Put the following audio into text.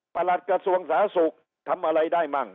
หลัดกระทรวงสาธารณสุขทำอะไรได้มั่ง